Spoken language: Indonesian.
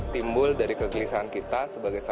timbul dari kegelisahan kita sebagai